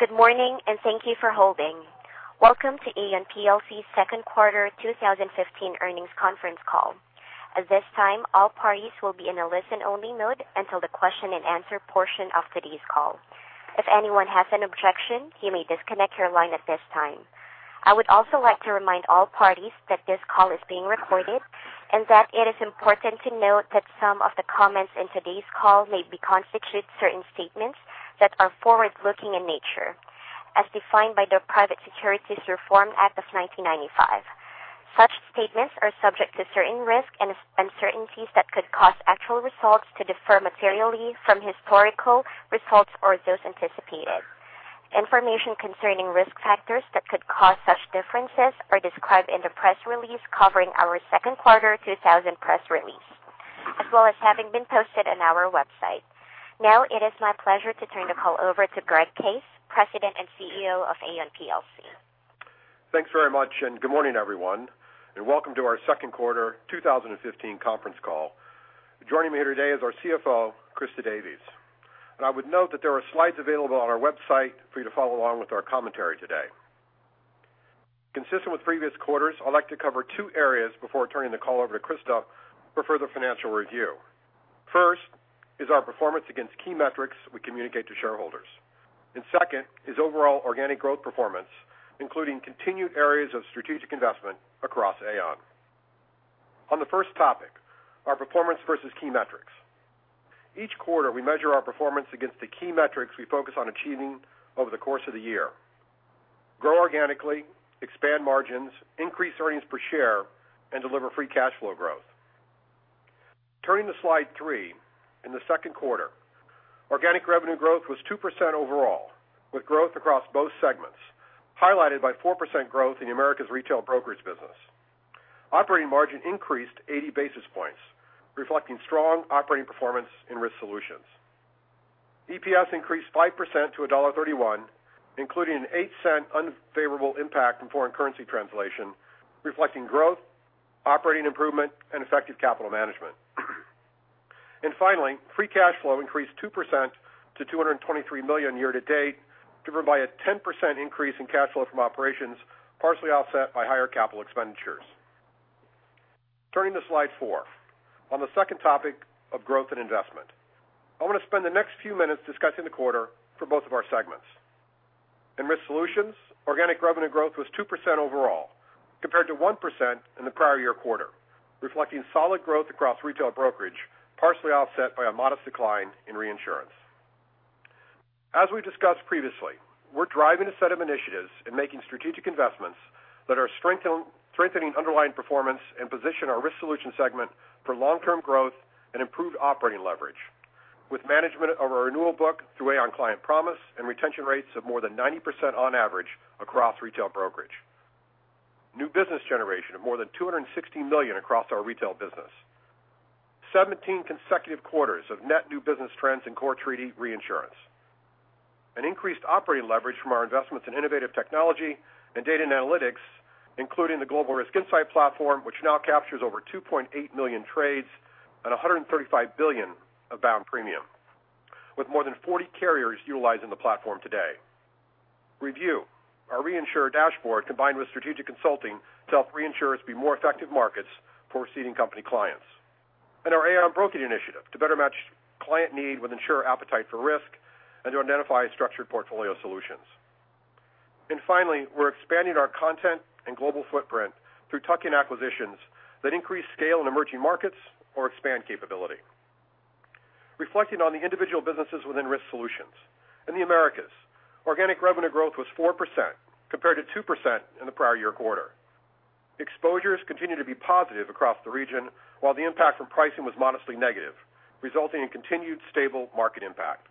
Good morning, and thank you for holding. Welcome to Aon plc's second quarter 2015 earnings conference call. At this time, all parties will be in a listen-only mode until the question and answer portion of today's call. If anyone has an objection, you may disconnect your line at this time. I would also like to remind all parties that this call is being recorded, and that it is important to note that some of the comments in today's call may constitute certain statements that are forward-looking in nature, as defined by the Private Securities Litigation Reform Act of 1995. Such statements are subject to certain risks and uncertainties that could cause actual results to differ materially from historical results or those anticipated. Information concerning risk factors that could cause such differences are described in the press release covering our second quarter 2015 press release, as well as having been posted on our website. It is my pleasure to turn the call over to Greg Case, President and Chief Executive Officer of Aon plc. Thanks very much, and good morning, everyone, and welcome to our second quarter 2015 conference call. Joining me here today is our CFO, Christa Davies. I would note that there are slides available on our website for you to follow along with our commentary today. Consistent with previous quarters, I'd like to cover two areas before turning the call over to Christa for further financial review. First is our performance against key metrics we communicate to shareholders, and second is overall organic growth performance, including continued areas of strategic investment across Aon. On the first topic, our performance versus key metrics. Each quarter, we measure our performance against the key metrics we focus on achieving over the course of the year: grow organically, expand margins, increase earnings per share, and deliver free cash flow growth. Turning to slide three, in the second quarter, organic revenue growth was 2% overall, with growth across both segments, highlighted by 4% growth in the Americas Retail Brokerage business. Operating margin increased 80 basis points, reflecting strong operating performance in Risk Solutions. EPS increased 5% to $1.31, including an $0.08 unfavorable impact in foreign currency translation, reflecting growth, operating improvement, and effective capital management. Finally, free cash flow increased 2% to $223 million year to date, driven by a 10% increase in cash flow from operations, partially offset by higher capital expenditures. Turning to slide four, on the second topic of growth and investment. I want to spend the next few minutes discussing the quarter for both of our segments. In Risk Solutions, organic revenue growth was 2% overall compared to 1% in the prior year quarter, reflecting solid growth across Retail Brokerage, partially offset by a modest decline in reinsurance. As we discussed previously, we're driving a set of initiatives and making strategic investments that are strengthening underlying performance and position our Risk Solutions segment for long-term growth and improved operating leverage with management of our renewal book through Aon Client Promise and retention rates of more than 90% on average across Retail Brokerage. New business generation of more than $260 million across our retail business. 17 consecutive quarters of net new business trends in core treaty reinsurance. An increased operating leverage from our investments in innovative technology and data and analytics, including the Global Risk Insight Platform, which now captures over 2.8 million trades and $135 billion of bound premium, with more than 40 carriers utilizing the platform today. ReView, our reinsurer dashboard combined with strategic consulting to help reinsurers be more effective markets for ceding company clients. Our Aon Broking initiative to better match client need with insurer appetite for risk and to identify structured portfolio solutions. Finally, we're expanding our content and global footprint through tuck-in acquisitions that increase scale in emerging markets or expand capability. Reflecting on the individual businesses within Risk Solutions. In the Americas, organic revenue growth was 4% compared to 2% in the prior year quarter. Exposures continue to be positive across the region, while the impact from pricing was modestly negative, resulting in continued stable market impact.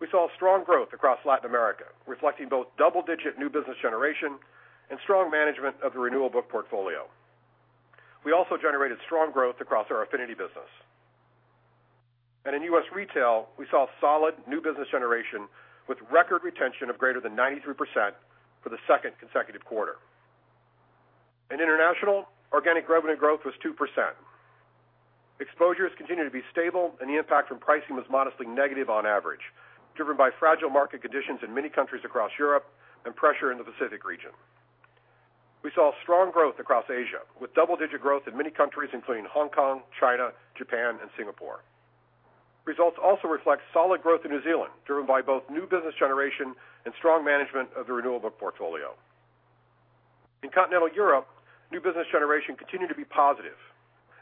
We saw strong growth across Latin America, reflecting both double-digit new business generation and strong management of the renewal book portfolio. We also generated strong growth across our affinity business. In U.S. Retail, we saw solid new business generation with record retention of greater than 93% for the second consecutive quarter. In international, organic revenue growth was 2%. Exposures continue to be stable and the impact from pricing was modestly negative on average, driven by fragile market conditions in many countries across Europe and pressure in the Pacific region. We saw strong growth across Asia, with double-digit growth in many countries, including Hong Kong, China, Japan, and Singapore. Results also reflect solid growth in New Zealand, driven by both new business generation and strong management of the renewal book portfolio. In continental Europe, new business generation continued to be positive,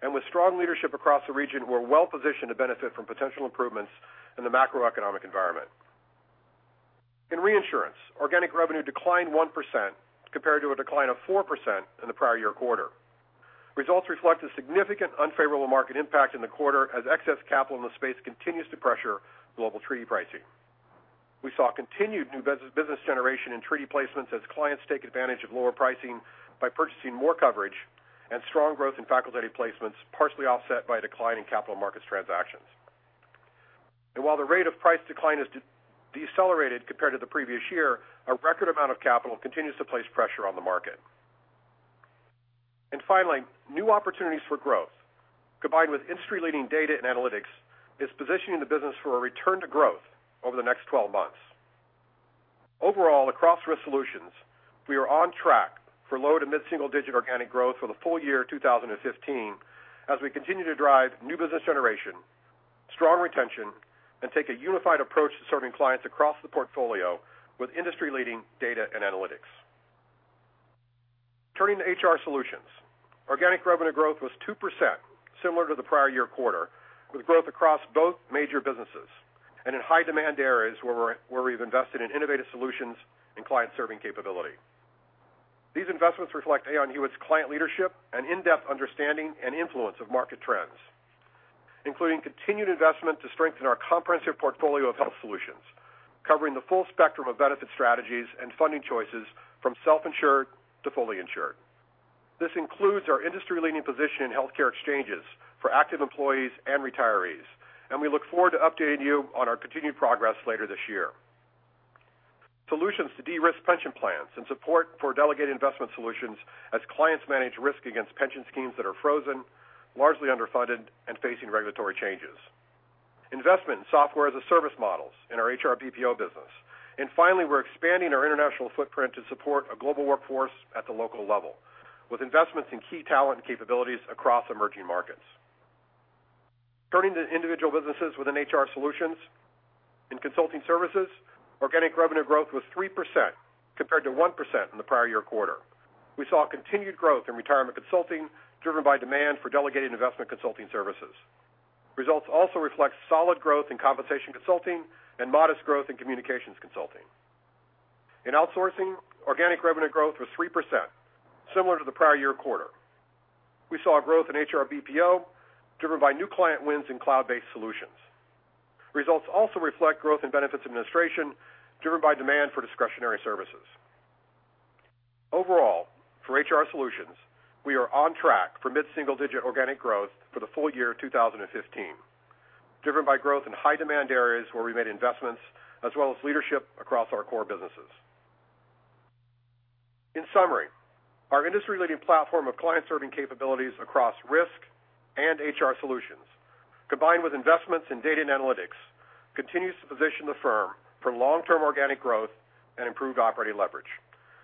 and with strong leadership across the region, we're well-positioned to benefit from potential improvements in the macroeconomic environment. In reinsurance, organic revenue declined 1% compared to a decline of 4% in the prior year quarter. Results reflect a significant unfavorable market impact in the quarter as excess capital in the space continues to pressure global treaty pricing. We saw continued new business generation in treaty placements as clients take advantage of lower pricing by purchasing more coverage and strong growth in facultative placements, partially offset by a decline in capital markets transactions. While the rate of price decline has decelerated compared to the previous year, a record amount of capital continues to place pressure on the market. New opportunities for growth, combined with industry-leading data and analytics, is positioning the business for a return to growth over the next 12 months. Overall, across Risk Solutions, we are on track for low to mid-single digit organic growth for the full year 2015 as we continue to drive new business generation, strong retention, and take a unified approach to serving clients across the portfolio with industry-leading data and analytics. Turning to HR Solutions, organic revenue growth was 2%, similar to the prior year quarter, with growth across both major businesses and in high demand areas where we've invested in innovative solutions and client-serving capability. These investments reflect Aon Hewitt's client leadership and in-depth understanding and influence of market trends, including continued investment to strengthen our comprehensive portfolio of health solutions covering the full spectrum of benefit strategies and funding choices from self-insured to fully insured. This includes our industry-leading position in healthcare exchanges for active employees and retirees. We look forward to updating you on our continued progress later this year. Solutions to de-risk pension plans and support for delegated investment solutions as clients manage risk against pension schemes that are frozen, largely underfunded, and facing regulatory changes. Investment in software as a service models in our HR BPO business. Finally, we're expanding our international footprint to support a global workforce at the local level with investments in key talent capabilities across emerging markets. Turning to individual businesses within HR Solutions. In consulting services, organic revenue growth was 3% compared to 1% in the prior year quarter. We saw continued growth in retirement consulting driven by demand for delegated investment consulting services. Results also reflect solid growth in compensation consulting and modest growth in communications consulting. In outsourcing, organic revenue growth was 3%, similar to the prior year quarter. We saw growth in HR BPO driven by new client wins in cloud-based solutions. Results also reflect growth in benefits administration driven by demand for discretionary services. Overall, for HR Solutions, we are on track for mid-single digit organic growth for the full year 2015, driven by growth in high demand areas where we made investments as well as leadership across our core businesses. In summary, our industry-leading platform of client-serving capabilities across Risk and HR Solutions, combined with investments in data and analytics, continues to position the firm for long-term organic growth and improved operating leverage.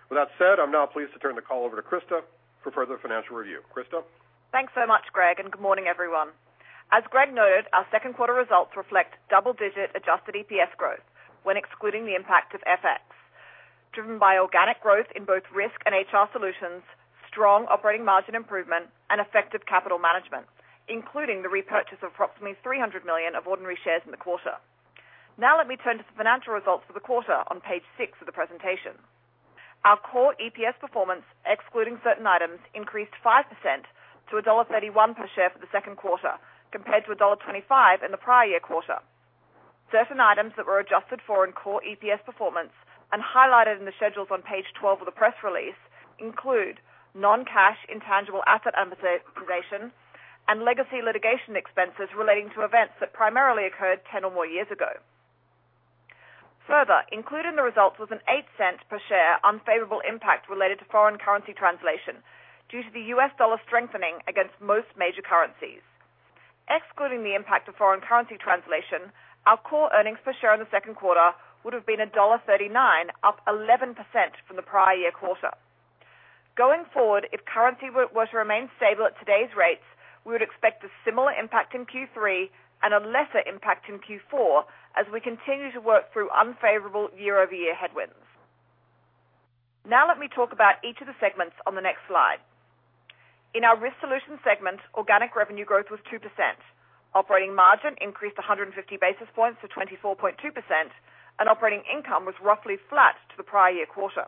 With that said, I'm now pleased to turn the call over to Christa for further financial review. Christa? Thanks so much, Greg. Good morning, everyone. As Greg noted, our second quarter results reflect double-digit adjusted EPS growth when excluding the impact of FX, driven by organic growth in both Risk and HR Solutions, strong operating margin improvement, and effective capital management, including the repurchase of approximately $300 million of ordinary shares in the quarter. Let me turn to the financial results for the quarter on page six of the presentation. Our core EPS performance, excluding certain items, increased 5% to $1.31 per share for the second quarter, compared to $1.25 in the prior year quarter. Certain items that were adjusted for in core EPS performance and highlighted in the schedules on page 12 of the press release include non-cash intangible asset amortization and legacy litigation expenses relating to events that primarily occurred 10 or more years ago. Further, included in the results was an $0.08 per share unfavorable impact related to foreign currency translation due to the U.S. dollar strengthening against most major currencies. Excluding the impact of foreign currency translation, our core earnings per share in the second quarter would have been $1.39, up 11% from the prior year quarter. Going forward, if currency were to remain stable at today's rates, we would expect a similar impact in Q3 and a lesser impact in Q4 as we continue to work through unfavorable year-over-year headwinds. Now let me talk about each of the segments on the next slide. In our Risk Solutions segment, organic revenue growth was 2%. Operating margin increased 150 basis points to 24.2%, and operating income was roughly flat to the prior year quarter.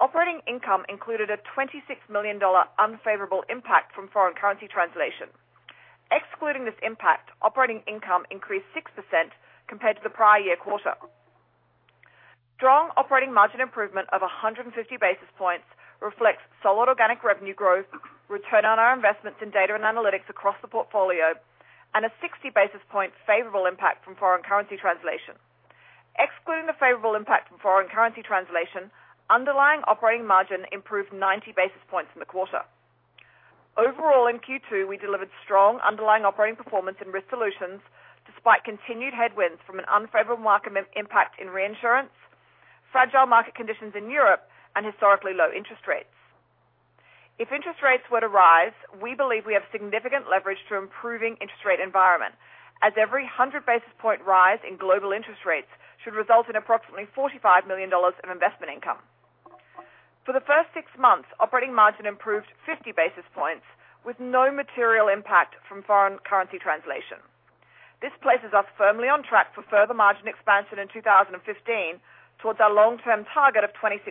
Operating income included a $26 million unfavorable impact from foreign currency translation. Excluding this impact, operating income increased 6% compared to the prior year quarter. Strong operating margin improvement of 150 basis points reflects solid organic revenue growth, return on our investments in data and analytics across the portfolio, and a 60 basis point favorable impact from foreign currency translation. Excluding the favorable impact from foreign currency translation, underlying operating margin improved 90 basis points in the quarter. Overall, in Q2, we delivered strong underlying operating performance in Risk Solutions despite continued headwinds from an unfavorable market impact in reinsurance, fragile market conditions in Europe, and historically low interest rates. If interest rates were to rise, we believe we have significant leverage to improving interest rate environment as every 100 basis point rise in global interest rates should result in approximately $45 million of investment income. For the first six months, operating margin improved 50 basis points with no material impact from foreign currency translation. This places us firmly on track for further margin expansion in 2015 towards our long-term target of 26%,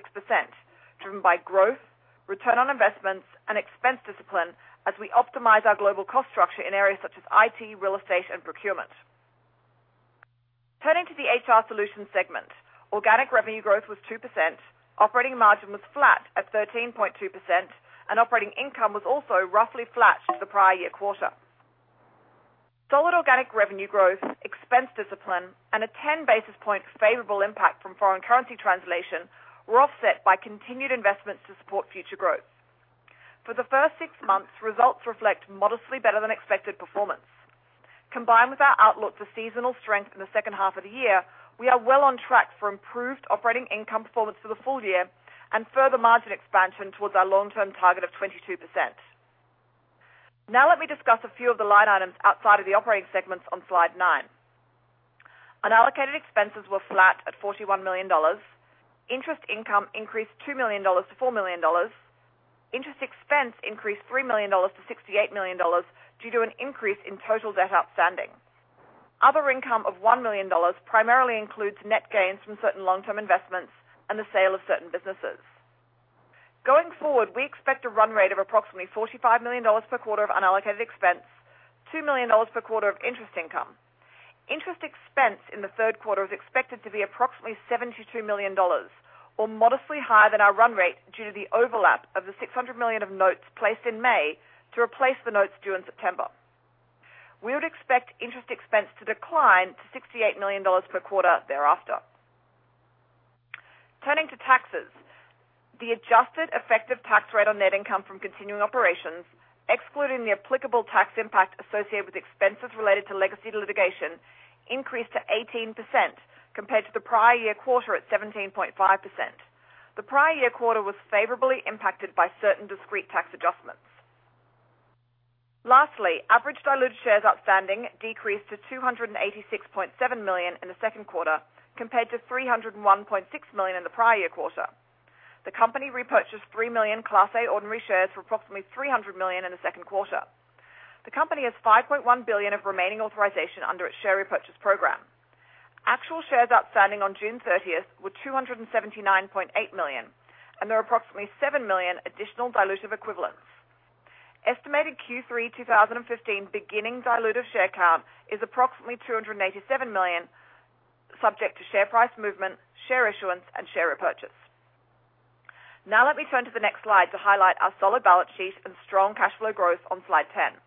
driven by growth, return on investments, and expense discipline as we optimize our global cost structure in areas such as IT, real estate, and procurement. Turning to the HR Solutions segment. Organic revenue growth was 2%, operating margin was flat at 13.2%, and operating income was also roughly flat to the prior year quarter. Solid organic revenue growth, expense discipline, and a 10-basis point favorable impact from foreign currency translation were offset by continued investments to support future growth. For the first six months, results reflect modestly better-than-expected performance. Combined with our outlook for seasonal strength in the second half of the year, we are well on track for improved operating income performance for the full year and further margin expansion towards our long-term target of 22%. Now let me discuss a few of the line items outside of the operating segments on slide nine. Unallocated expenses were flat at $41 million. Interest income increased $2 million to $4 million. Interest expense increased $3 million to $68 million due to an increase in total debt outstanding. Other income of $1 million primarily includes net gains from certain long-term investments and the sale of certain businesses. Going forward, we expect a run rate of approximately $45 million per quarter of unallocated expense, $2 million per quarter of interest income. Interest expense in the third quarter is expected to be approximately $72 million, or modestly higher than our run rate, due to the overlap of the $600 million of notes placed in May to replace the notes due in September. We would expect interest expense to decline to $68 million per quarter thereafter. Turning to taxes, the adjusted effective tax rate on net income from continuing operations, excluding the applicable tax impact associated with expenses related to legacy litigation, increased to 18% compared to the prior year quarter at 17.5%. The prior year quarter was favorably impacted by certain discrete tax adjustments. Lastly, average diluted shares outstanding decreased to 286.7 million in the second quarter compared to 301.6 million in the prior year quarter. The company repurchased 3 million Class A ordinary shares for approximately $300 million in the second quarter. The company has $5.1 billion of remaining authorization under its share repurchase program. Actual shares outstanding on June 30th were 279.8 million, and there are approximately 7 million additional dilutive equivalents. Estimated Q3 2015 beginning dilutive share count is approximately 287 million, subject to share price movement, share issuance, and share repurchase. Let me turn to the next slide to highlight our solid balance sheet and strong cash flow growth on slide 10.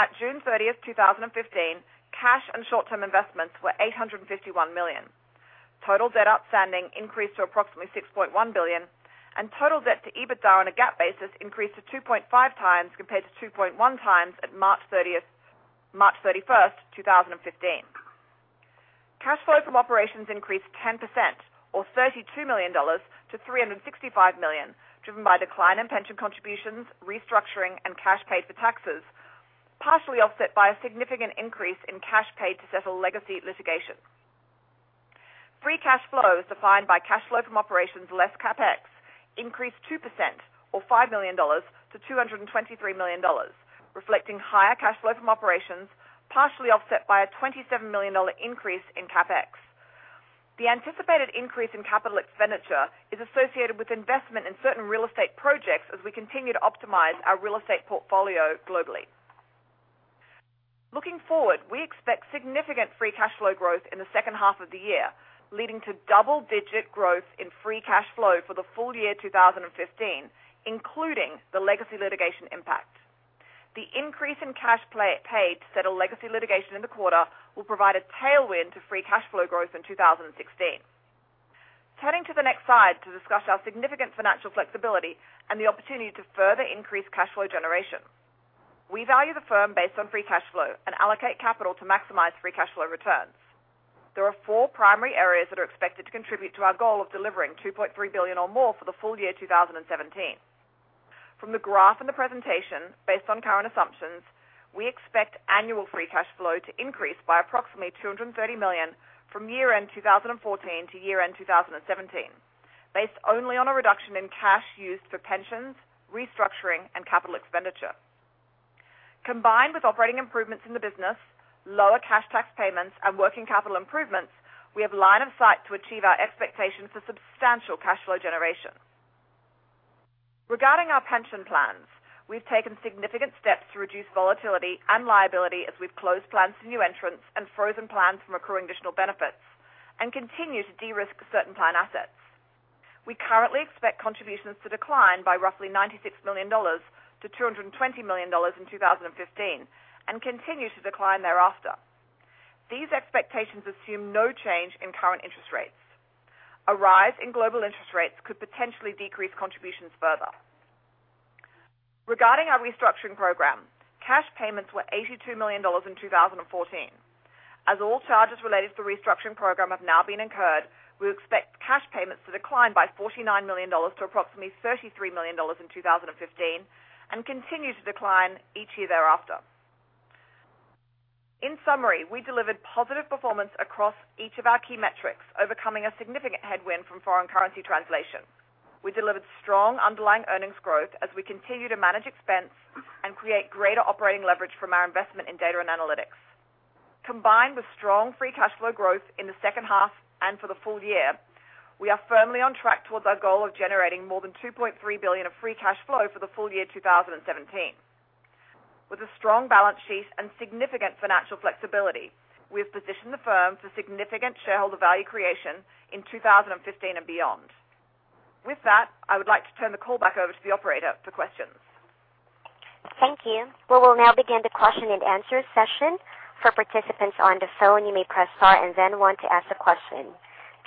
At June 30th, 2015, cash and short-term investments were $851 million. Total debt outstanding increased to approximately $6.1 billion, and total debt to EBITDA on a GAAP basis increased to 2.5 times compared to 2.1 times at March 31st, 2015. Cash flow from operations increased 10% or $32 million to $365 million, driven by a decline in pension contributions, restructuring, and cash paid for taxes, partially offset by a significant increase in cash paid to settle legacy litigation. Free cash flow, as defined by cash flow from operations less CapEx, increased 2% or $5 million to $223 million, reflecting higher cash flow from operations, partially offset by a $27 million increase in CapEx. The anticipated increase in capital expenditure is associated with investment in certain real estate projects as we continue to optimize our real estate portfolio globally. Looking forward, we expect significant free cash flow growth in the second half of the year, leading to double-digit growth in free cash flow for the full year 2015, including the legacy litigation impact. The increase in cash paid to settle legacy litigation in the quarter will provide a tailwind to free cash flow growth in 2016. Turning to the next slide to discuss our significant financial flexibility and the opportunity to further increase cash flow generation. We value the firm based on free cash flow and allocate capital to maximize free cash flow returns. There are four primary areas that are expected to contribute to our goal of delivering $2.3 billion or more for the full year 2017. From the graph in the presentation, based on current assumptions, we expect annual free cash flow to increase by approximately $230 million from year-end 2014 to year-end 2017, based only on a reduction in cash used for pensions, restructuring, and capital expenditure. Combined with operating improvements in the business, lower cash tax payments, and working capital improvements, we have line of sight to achieve our expectations for substantial cash flow generation. Regarding our pension plans, we've taken significant steps to reduce volatility and liability as we've closed plans to new entrants and frozen plans from accruing additional benefits and continue to de-risk certain plan assets. We currently expect contributions to decline by roughly $96 million to $220 million in 2015 and continue to decline thereafter. These expectations assume no change in current interest rates. A rise in global interest rates could potentially decrease contributions further. Regarding our restructuring program, cash payments were $82 million in 2014. As all charges related to the restructuring program have now been incurred, we expect cash payments to decline by $49 million to approximately $33 million in 2015 and continue to decline each year thereafter. In summary, we delivered positive performance across each of our key metrics, overcoming a significant headwind from foreign currency translation. We delivered strong underlying earnings growth as we continue to manage expense and create greater operating leverage from our investment in data and analytics. Combined with strong free cash flow growth in the second half and for the full year, we are firmly on track towards our goal of generating more than $2.3 billion of free cash flow for the full year 2017. With a strong balance sheet and significant financial flexibility, we have positioned the firm for significant shareholder value creation in 2015 and beyond. With that, I would like to turn the call back over to the operator for questions. Thank you. We will now begin the question and answer session. For participants on the phone, you may press star and then one to ask a question.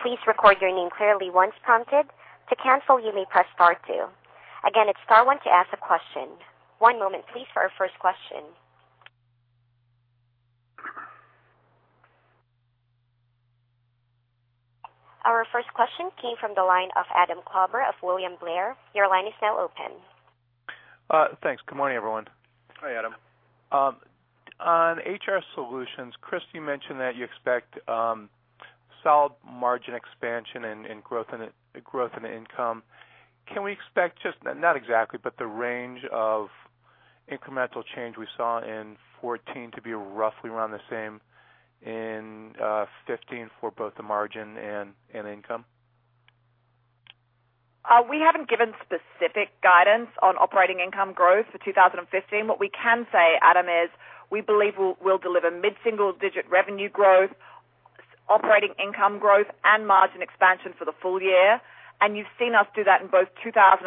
Please record your name clearly once prompted. To cancel, you may press star two. Again, it's star one to ask a question. One moment please for our first question. Our first question came from the line of Adam Klauber of William Blair. Your line is now open. Thanks. Good morning, everyone. Hi, Adam. On HR Solutions, Chris, you mentioned that you expect solid margin expansion and growth in income. Can we expect, not exactly, but the range of incremental change we saw in 2014 to be roughly around the same in 2015 for both the margin and in income? We haven't given specific guidance on operating income growth for 2015. What we can say, Adam, is we believe we'll deliver mid-single digit revenue growth, operating income growth, and margin expansion for the full year. You've seen us do that in both 2013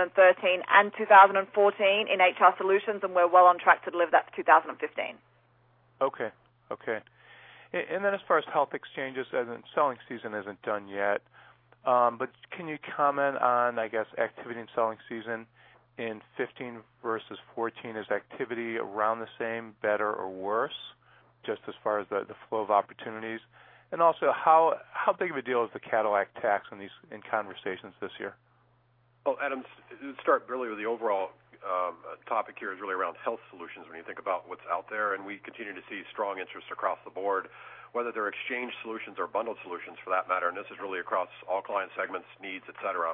and 2014 in HR Solutions, and we're well on track to deliver that for 2015. Okay. As far as health exchanges, selling season isn't done yet. Can you comment on, I guess, activity in selling season in 2015 versus 2014? Is activity around the same, better or worse? Just as far as the flow of opportunities. Also, how big of a deal is the Cadillac tax in conversations this year? Well, Adam, to start really with the overall topic here is really around health solutions when you think about what's out there. We continue to see strong interest across the board, whether they're exchange solutions or bundled solutions for that matter. This is really across all client segments, needs, et cetera.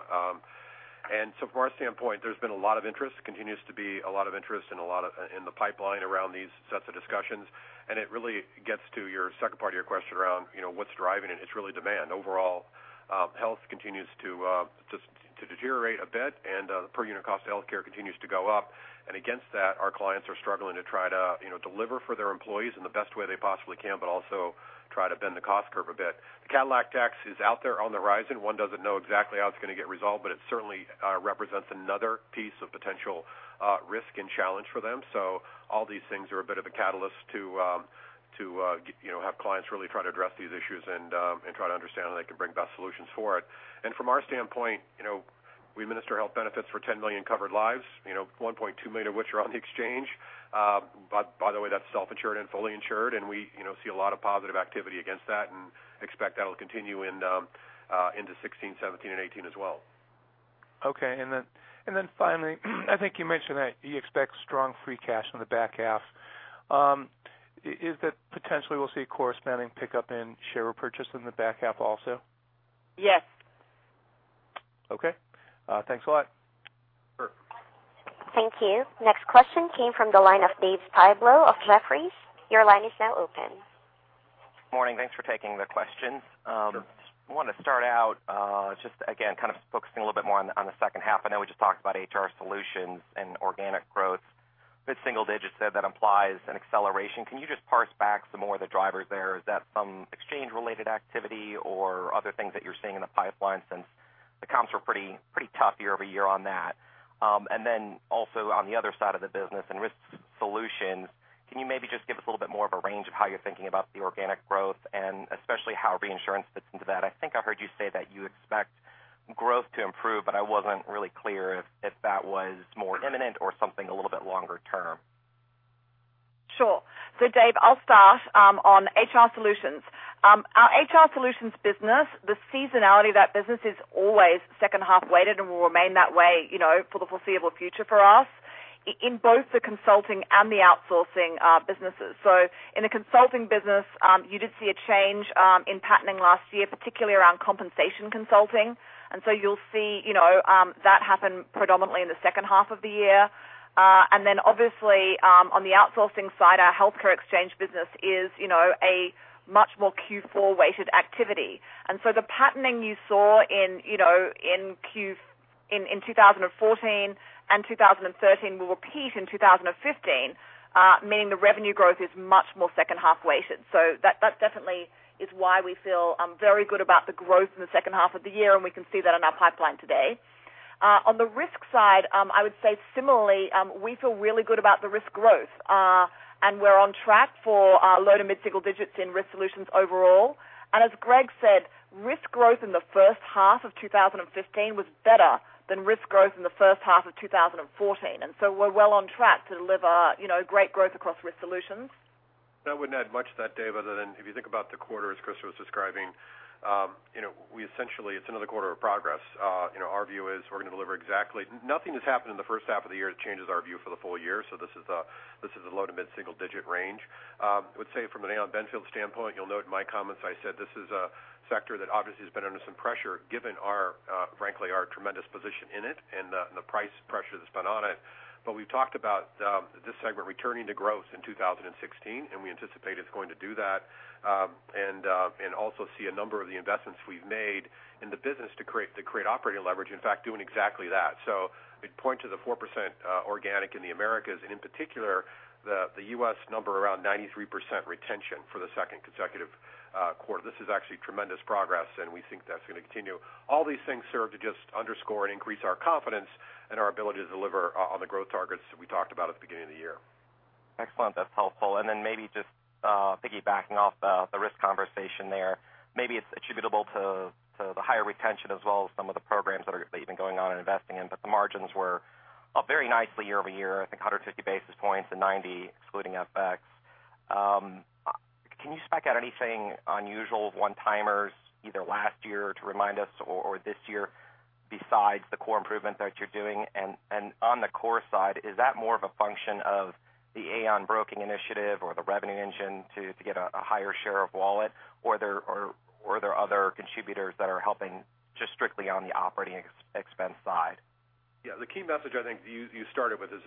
From our standpoint, there's been a lot of interest, continues to be a lot of interest in the pipeline around these sets of discussions. It really gets to your second part of your question around what's driving it. It's really demand overall. Health continues to deteriorate a bit and the per unit cost of healthcare continues to go up. Against that, our clients are struggling to try to deliver for their employees in the best way they possibly can, but also try to bend the cost curve a bit. The Cadillac tax is out there on the horizon. One doesn't know exactly how it's going to get resolved, but it certainly represents another piece of potential risk and challenge for them. All these things are a bit of a catalyst to have clients really try to address these issues and try to understand how they can bring the best solutions for it. From our standpoint, we administer health benefits for 10 million covered lives, 1.2 million of which are on the exchange. By the way, that's self-insured and fully insured. We see a lot of positive activity against that and expect that'll continue into 2016, 2017, and 2018 as well. Okay, finally, I think you mentioned that you expect strong free cash in the back half. Is that potentially we'll see a corresponding pickup in share repurchase in the back half also? Yes. Okay. Thanks a lot. Sure. Thank you. Next question came from the line of Dave Styblo of Jefferies. Your line is now open. Morning. Thanks for taking the questions. Sure. I want to start out, just again, kind of focusing a little bit more on the second half. I know we just talked about HR Solutions and organic growth, mid-single digits. That implies an acceleration. Can you just parse back some more of the drivers there? Is that some exchange-related activity or other things that you're seeing in the pipeline since the comps were pretty tough year-over-year on that? Also on the other side of the business in Risk Solutions, can you maybe just give us a little bit more of a range of how you're thinking about the organic growth and especially how reinsurance fits into that? I think I heard you say that you expect growth to improve, I wasn't really clear if that was more imminent or something a little bit longer term. Sure. Dave, I'll start on HR Solutions. Our HR Solutions business, the seasonality of that business is always second half weighted and will remain that way for the foreseeable future for us in both the consulting and the outsourcing businesses. In the consulting business, you did see a change in patterning last year, particularly around compensation consulting. You'll see that happen predominantly in the second half of the year. Obviously, on the outsourcing side, our healthcare exchange business is a much more Q4-weighted activity. The patterning you saw in 2014 and 2013 will repeat in 2015, meaning the revenue growth is much more second half weighted. That definitely is why we feel very good about the growth in the second half of the year, and we can see that in our pipeline today. On the risk side, I would say similarly, we feel really good about the risk growth. We're on track for low to mid-single digits in Risk Solutions overall. As Greg said, risk growth in the first half of 2015 was better than risk growth in the first half of 2014. We're well on track to deliver great growth across Risk Solutions. I wouldn't add much to that, Dave, other than if you think about the quarter as Christa was describing, essentially it's another quarter of progress. Our view is we're going to deliver exactly nothing has happened in the first half of the year that changes our view for the full year, this is a low to mid-single digit range. I would say from an Aon Benfield standpoint, you'll note in my comments I said this is a sector that obviously has been under some pressure given, frankly, our tremendous position in it and the price pressure that's been on it. We've talked about this segment returning to growth in 2016, we anticipate it's going to do that, also see a number of the investments we've made in the business to create operating leverage, in fact, doing exactly that. I'd point to the 4% organic in the Americas, in particular, the U.S. number around 93% retention for the second consecutive quarter. This is actually tremendous progress, we think that's going to continue. All these things serve to just underscore and increase our confidence in our ability to deliver on the growth targets that we talked about at the beginning of the year. Excellent. That's helpful. Maybe just piggybacking off the risk conversation there, maybe it's attributable to the higher retention as well as some of the programs that are even going on and investing in, but the margins were up very nicely year-over-year, I think 150 basis points and 90 excluding FX. Can you spec out anything unusual of one-timers either last year to remind us or this year besides the core improvements that you're doing? On the core side, is that more of a function of the Aon Broking initiative or the revenue engine to get a higher share of wallet, or are there other contributors that are helping just strictly on the operating expense side? Yeah, the key message I think you started with is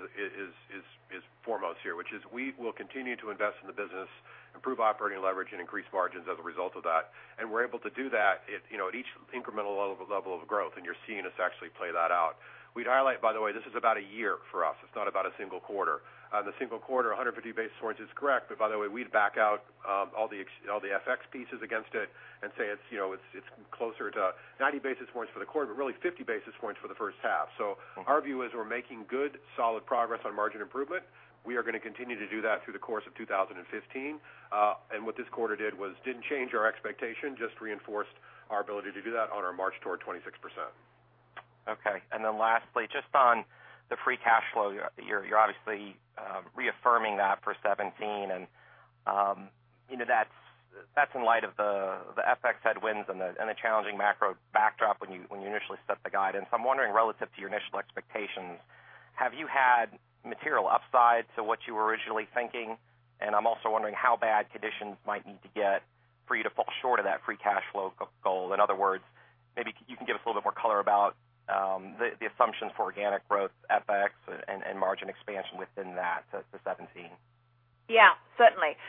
foremost here, which is we will continue to invest in the business, improve operating leverage, and increase margins as a result of that. We're able to do that at each incremental level of growth, and you're seeing us actually play that out. We'd highlight, by the way, this is about a year for us. It's not about a single quarter. The single quarter, 150 basis points is correct, but by the way, we'd back out all the FX pieces against it and say it's closer to 90 basis points for the quarter, but really 50 basis points for the first half. Our view is we're making good, solid progress on margin improvement. We are going to continue to do that through the course of 2015. What this quarter did was didn't change our expectation, just reinforced our ability to do that on our march toward 26%. Okay. Lastly, just on the free cash flow, you're obviously reaffirming that for 2017, that's in light of the FX headwinds and the challenging macro backdrop when you initially set the guidance. I'm wondering, relative to your initial expectations, have you had material upside to what you were originally thinking? I'm also wondering how bad conditions might need to get for you to fall short of that free cash flow goal. In other words, maybe you can give us a little bit more color about the assumptions for organic growth, FX, and margin expansion within that for 2017. Yeah, certainly.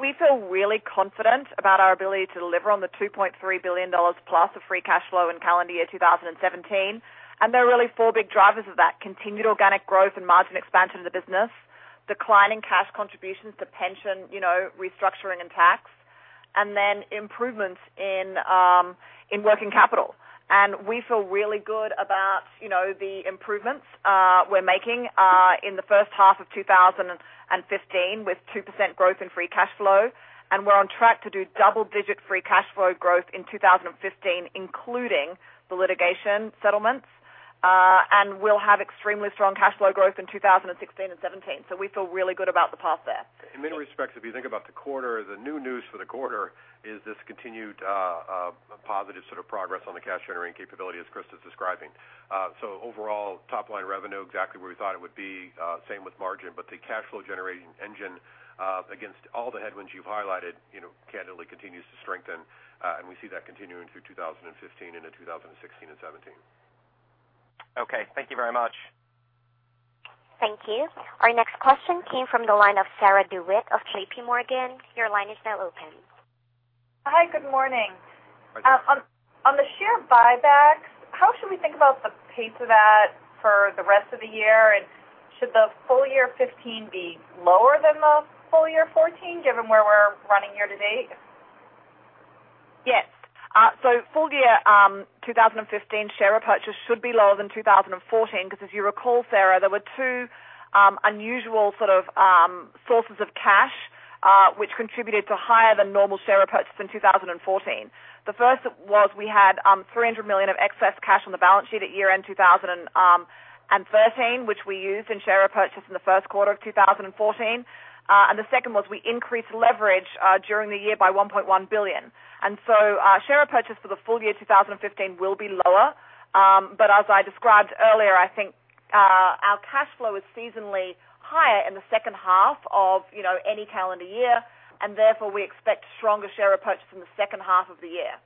We feel really confident about our ability to deliver on the $2.3 billion-plus of free cash flow in calendar year 2017. There are really four big drivers of that: continued organic growth and margin expansion of the business, declining cash contributions to pension restructuring and tax, improvements in working capital. We feel really good about the improvements we're making in the first half of 2015 with 2% growth in free cash flow. We're on track to do double-digit free cash flow growth in 2015, including the litigation settlements. We'll have extremely strong cash flow growth in 2016 and 2017. We feel really good about the path there. In many respects, if you think about the quarter, the new news for the quarter is this continued positive sort of progress on the cash-generating capability, as Christa's describing. Overall, top-line revenue, exactly where we thought it would be, same with margin. The cash flow-generating engine, against all the headwinds you've highlighted, candidly continues to strengthen. We see that continuing through 2015 and in 2016 and 2017. Okay. Thank you very much. Thank you. Our next question came from the line of Sarah DeWitt of J.P. Morgan. Your line is now open. Hi, good morning. Hi. On the share buybacks, how should we think about the pace of that for the rest of the year? Should the full year 2015 be lower than the full year 2014, given where we're running year-to-date? Yes. Full year 2015 share purchases should be lower than 2014 because if you recall, Sarah, there were two unusual sources of cash, which contributed to higher than normal share purchase in 2014. The first was we had $300 million of excess cash on the balance sheet at year-end 2013, which we used in share purchase in the first quarter of 2014. The second was we increased leverage during the year by $1.1 billion. Our share purchase for the full year 2015 will be lower. As I described earlier, I think our cash flow is seasonally higher in the second half of any calendar year, and therefore we expect stronger share purchase from the second half of the year.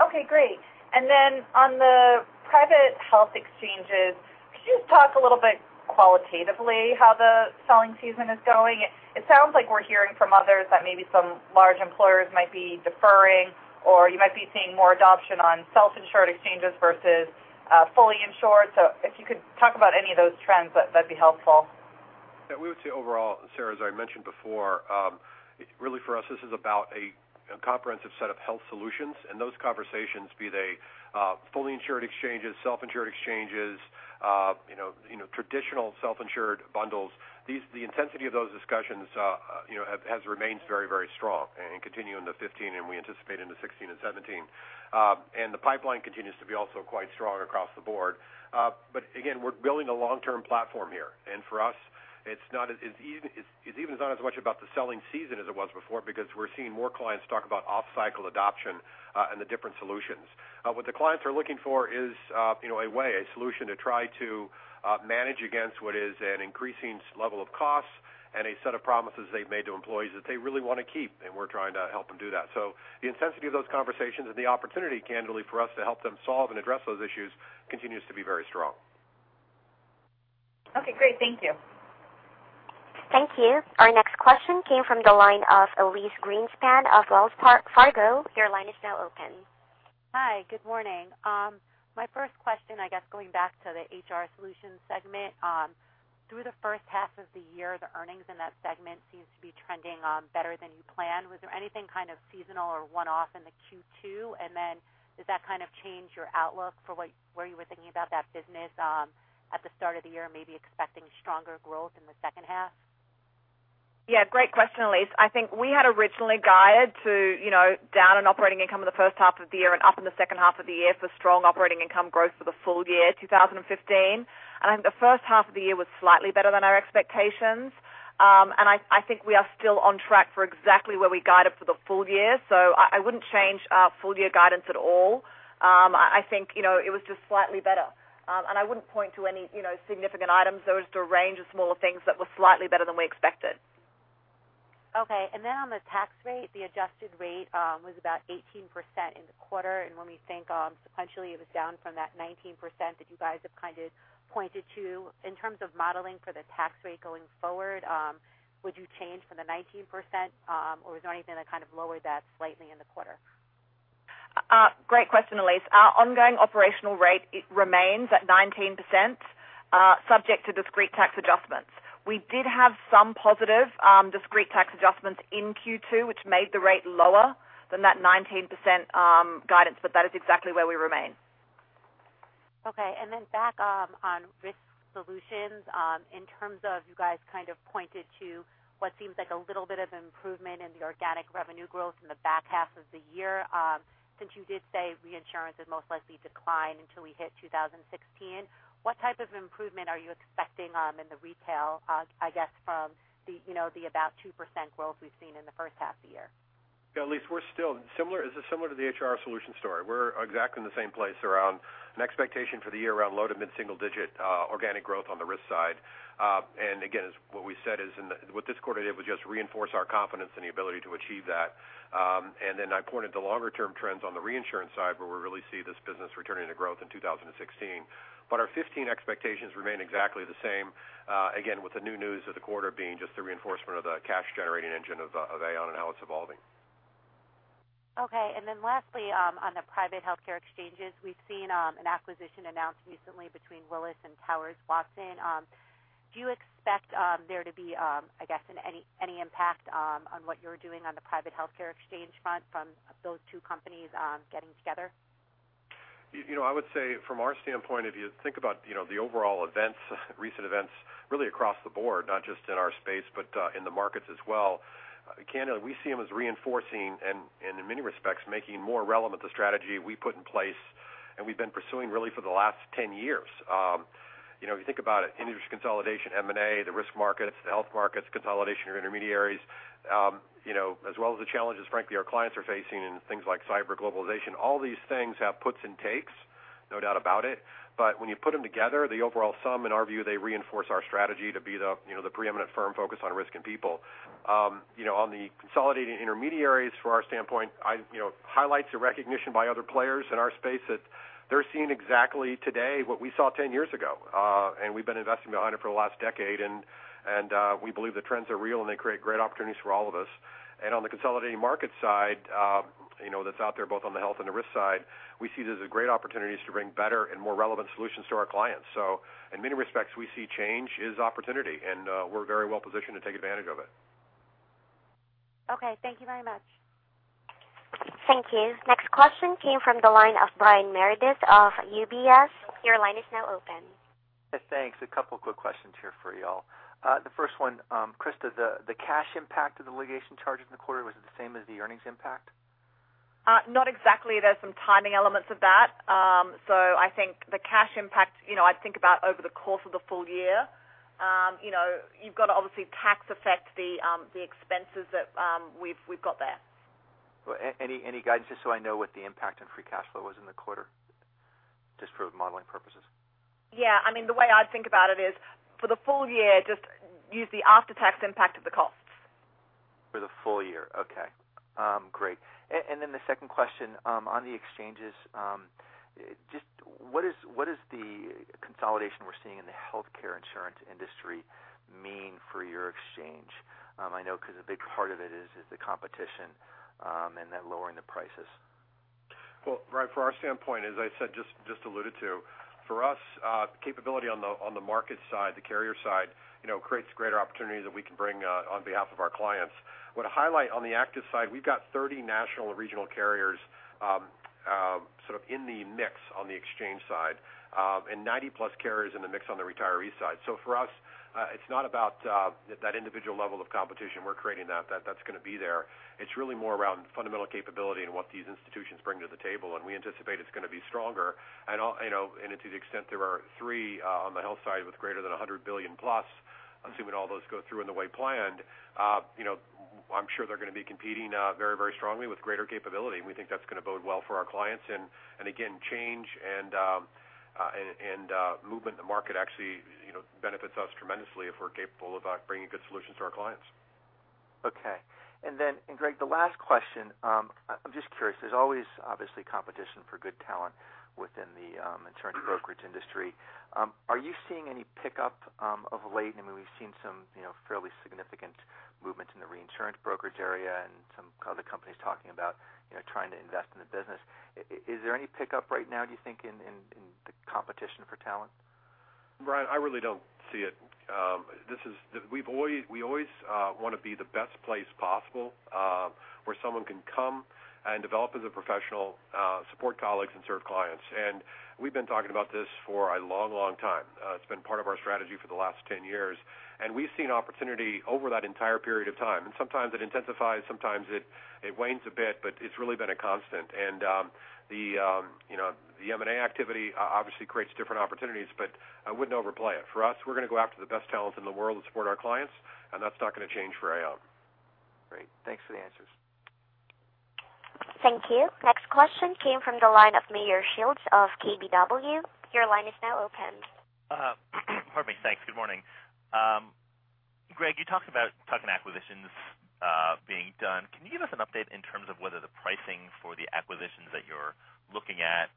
Okay, great. On the private health exchanges, could you talk a little bit qualitatively how the selling season is going? It sounds like we're hearing from others that maybe some large employers might be deferring, or you might be seeing more adoption on self-insured exchanges versus fully insured. If you could talk about any of those trends, that'd be helpful. Yeah, we would say overall, Sarah, as I mentioned before, really for us, this is about a comprehensive set of health solutions, and those conversations, be they fully insured exchanges, self-insured exchanges, traditional self-insured bundles, the intensity of those discussions has remained very, very strong and continue into 2015, and we anticipate into 2016 and 2017. The pipeline continues to be also quite strong across the board. Again, we're building a long-term platform here. For us, it's even not as much about the selling season as it was before because we're seeing more clients talk about off-cycle adoption and the different solutions. What the clients are looking for is a way, a solution to try to manage against what is an increasing level of costs and a set of promises they've made to employees that they really want to keep, and we're trying to help them do that. The intensity of those conversations and the opportunity, candidly, for us to help them solve and address those issues continues to be very strong. Okay, great. Thank you. Thank you. Our next question came from the line of Elyse Greenspan of Wells Fargo. Your line is now open. Hi. Good morning. My first question, I guess, going back to the HR Solutions segment. Through the first half of the year, the earnings in that segment seems to be trending better than you planned. Was there anything kind of seasonal or one-off in the Q2? Then does that kind of change your outlook for where you were thinking about that business at the start of the year, maybe expecting stronger growth in the second half? Yeah, great question, Elyse. I think we had originally guided to down in operating income in the first half of the year and up in the second half of the year for strong operating income growth for the full year 2015. I think the first half of the year was slightly better than our expectations. I think we are still on track for exactly where we guided for the full year. I wouldn't change our full-year guidance at all. I think it was just slightly better. I wouldn't point to any significant items. There was just a range of smaller things that were slightly better than we expected. Okay. On the tax rate, the adjusted rate was about 18% in the quarter. When we think sequentially, it was down from that 19% that you guys have kind of pointed to. In terms of modeling for the tax rate going forward, would you change from the 19%, or was there anything that kind of lowered that slightly in the quarter? Great question, Elyse. Our ongoing operational rate remains at 19%, subject to discrete tax adjustments. We did have some positive discrete tax adjustments in Q2, which made the rate lower than that 19% guidance. That is exactly where we remain. Okay. Back on Risk Solutions. In terms of you guys kind of pointed to what seems like a little bit of improvement in the organic revenue growth in the back half of the year. Since you did say reinsurance would most likely decline until we hit 2016, what type of improvement are you expecting in the Retail, I guess, from the about 2% growth we've seen in the first half of the year? Elyse, this is similar to the HR Solutions story. We're exactly in the same place around an expectation for the year around low- to mid-single digit organic growth on the risk side. Again, what this quarter did was just reinforce our confidence in the ability to achieve that. Then I pointed to longer-term trends on the reinsurance side, where we really see this business returning to growth in 2016. Our 2015 expectations remain exactly the same. Again, with the new news of the quarter being just the reinforcement of the cash-generating engine of Aon and how it's evolving. Okay. Then lastly, on the private healthcare exchanges, we've seen an acquisition announced recently between Willis and Towers Watson. Do you expect there to be, I guess, any impact on what you're doing on the private healthcare exchange front from those two companies getting together? I would say from our standpoint, if you think about the overall recent events really across the board, not just in our space but in the markets as well, again, we see them as reinforcing and in many respects making more relevant the strategy we put in place and we've been pursuing really for the last 10 years. If you think about it, industry consolidation, M&A, the risk markets, the health markets, consolidation of your intermediaries as well as the challenges, frankly, our clients are facing in things like cyber globalization. All these things have puts and takes, no doubt about it. When you put them together, the overall sum, in our view, they reinforce our strategy to be the preeminent firm focused on risk and people. On the consolidating intermediaries from our standpoint, highlights the recognition by other players in our space that they're seeing exactly today what we saw 10 years ago. We've been investing behind it for the last decade, we believe the trends are real, and they create great opportunities for all of us. On the consolidating market side that's out there both on the health and the risk side, we see this as great opportunities to bring better and more relevant solutions to our clients. In many respects, we see change as opportunity, we're very well positioned to take advantage of it. Okay. Thank you very much. Thank you. Next question came from the line of Brian Meredith of UBS. Your line is now open. Thanks. A couple of quick questions here for you all. The first one, Christa, the cash impact of the litigation charges in the quarter, was it the same as the earnings impact? Not exactly. There's some timing elements of that. I think the cash impact, I'd think about over the course of the full year. You've got to obviously tax affect the expenses that we've got there. Any guidance, just so I know what the impact on free cash flow was in the quarter, just for modeling purposes? Yeah. I mean, the way I'd think about it is for the full year, just use the after-tax impact of the costs. For the full year. Okay. Great. The second question on the exchanges. Just what does the consolidation we're seeing in the healthcare insurance industry mean for your exchange? I know because a big part of it is the competition and then lowering the prices. Well, Brian, from our standpoint, as I said, just alluded to, for us, capability on the market side, the carrier side, creates greater opportunities that we can bring on behalf of our clients. I want to highlight on the active side, we've got 30 national and regional carriers sort of in the mix on the exchange side and 90 plus carriers in the mix on the retiree side. For us, it's not about that individual level of competition we're creating that's going to be there. It's really more around fundamental capability and what these institutions bring to the table, and we anticipate it's going to be stronger. To the extent there are three on the health side with greater than $100 billion plus, assuming all those go through in the way planned, I'm sure they're going to be competing very strongly with greater capability. We think that's going to bode well for our clients. Again, change and movement in the market actually benefits us tremendously if we're capable of bringing good solutions to our clients. Okay. Greg, the last question. I'm just curious, there's always obviously competition for good talent within the insurance brokerage industry. Are you seeing any pickup of late? I mean, we've seen some fairly significant movements in the reinsurance brokerage area and some other companies talking about trying to invest in the business. Is there any pickup right now, do you think, in the competition for talent? Brian, I really don't see it. We always want to be the best place possible where someone can come and develop as a professional, support colleagues, and serve clients. We've been talking about this for a long time. It's been part of our strategy for the last 10 years, and we've seen opportunity over that entire period of time. Sometimes it intensifies, sometimes it wanes a bit, but it's really been a constant. The M&A activity obviously creates different opportunities, but I wouldn't overplay it. For us, we're going to go after the best talent in the world to support our clients, and that's not going to change for Aon. Great. Thanks for the answers. Thank you. Next question came from the line of Meyer Shields of KBW. Your line is now open. Pardon me. Thanks. Good morning. Greg, you talked about tuck-in acquisitions being done. Can you give us an update in terms of whether the pricing for the acquisitions that you're looking at,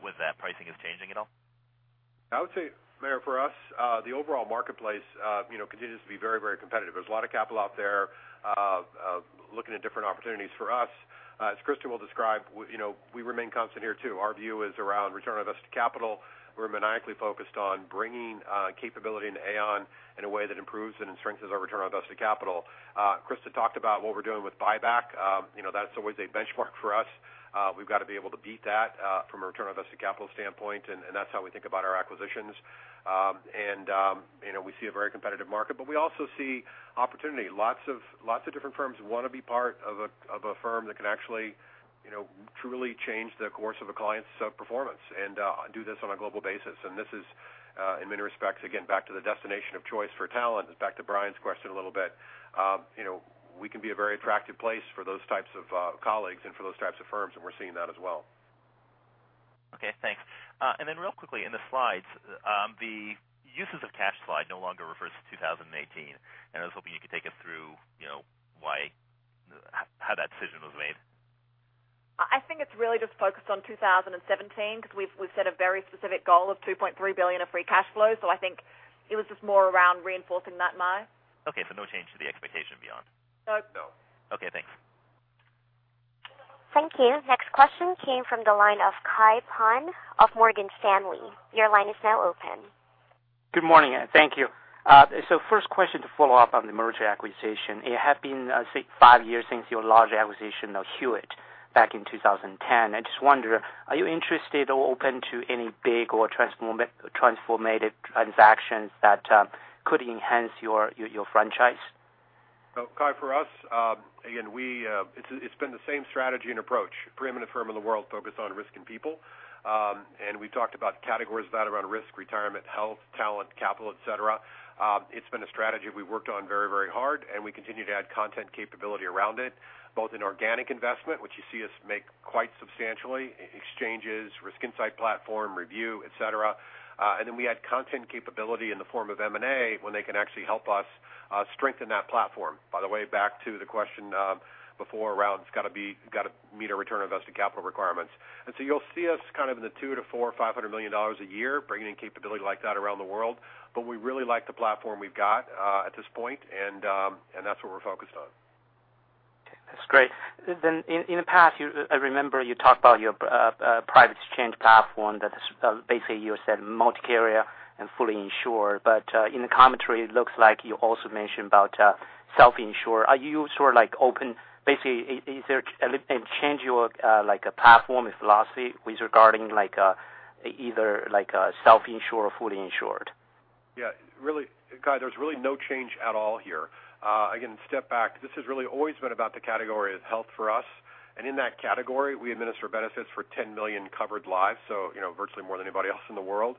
whether that pricing is changing at all? I would say, Meyer, for us, the overall marketplace continues to be very competitive. There's a lot of capital out there looking at different opportunities for us. As Christa will describe, we remain constant here, too. Our view is around return on invested capital. We're maniacally focused on bringing capability into Aon in a way that improves and strengthens our return on invested capital. Christa talked about what we're doing with buyback. That's always a benchmark for us. We've got to be able to beat that from a return on invested capital standpoint, and that's how we think about our acquisitions. We see a very competitive market, but we also see opportunity. Lots of different firms want to be part of a firm that can actually truly change the course of a client's performance and do this on a global basis. This is, in many respects, again, back to the destination of choice for talent, back to Brian's question a little bit. We can be a very attractive place for those types of colleagues and for those types of firms, and we're seeing that as well. Okay, thanks. Real quickly, in the slides, the uses of cash slide no longer refers to 2018, I was hoping you could take us through how that decision was made. I think it's really just focused on 2017 because we've set a very specific goal of $2.3 billion of free cash flow. I think it was just more around reinforcing that, Meyer. Okay, no change to the expectation beyond? No. No. Okay, thanks. Thank you. Next question came from the line of Kai Pan of Morgan Stanley. Your line is now open. Good morning, and thank you. First question to follow up on the merger acquisition. It had been, I think, five years since your large acquisition of Hewitt back in 2010. I just wonder, are you interested or open to any big or transformative transactions that could enhance your franchise? Kai, for us, again, it's been the same strategy and approach. Preeminent firm in the world focused on risk and people. We talked about categories of that around risk, retirement, health, talent, capital, et cetera. It's been a strategy we've worked on very hard, and we continue to add content capability around it, both in organic investment, which you see us make quite substantially, exchanges, Risk Insight Platform, ReView, et cetera. We add content capability in the form of M&A when they can actually help us strengthen that platform. By the way, back to the question before around it's got to meet our return on invested capital requirements. You'll see us kind of in the two to four, $500 million a year bringing in capability like that around the world. We really like the platform we've got at this point, and that's what we're focused on. That's great. In the past, I remember you talked about your private exchange platform that basically you said multi-carrier and fully insured, but in the commentary, it looks like you also mentioned about self-insured. Are you sort of basically, is there a change in your platform and philosophy with regarding either self-insured or fully insured? Yeah. Kai, there's really no change at all here. Step back. This has really always been about the category of health for us. In that category, we administer benefits for 10 million covered lives, so virtually more than anybody else in the world.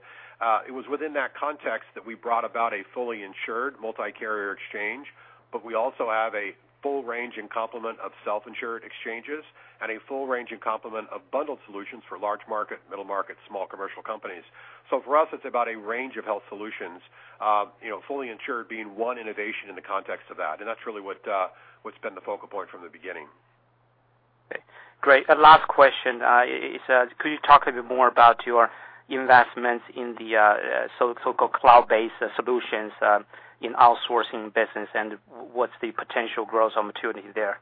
It was within that context that we brought about a fully insured multi-carrier exchange, but we also have a full range and complement of self-insured exchanges and a full range and complement of bundled solutions for large market, middle market, small commercial companies. For us, it's about a range of health solutions, fully insured being one innovation in the context of that, and that's really what's been the focal point from the beginning. Okay, great. Last question. Could you talk a little bit more about your investments in the so-called cloud-based solutions in outsourcing business, and what's the potential growth or maturity there?